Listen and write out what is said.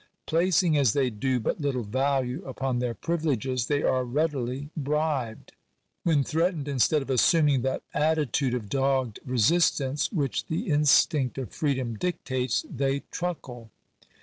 Placing as they do but little value upon their privileges, they are readily bribed. When threatened, instead of assuming that altitude of dogged resistance which the instinct of freedom dictates, they truckle.